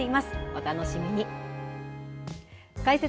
お楽しみに。